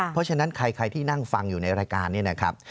เพราะฉะนั้นใครที่นั่งฟังอยู่ในรายการนี้นะครับ